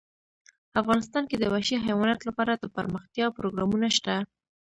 افغانستان کې د وحشي حیوانات لپاره دپرمختیا پروګرامونه شته.